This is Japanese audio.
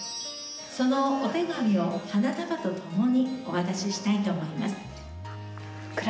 そのお手紙を花束と共にお渡ししたいと思います。